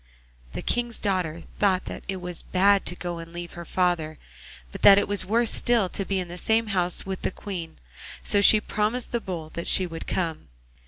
The King's daughter thought that it was bad to go and leave her father, but that it was worse still to be in the same house with the Queen, so she promised the Bull that she would come.